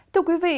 thưa quý vị